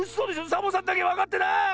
⁉サボさんだけわかってない！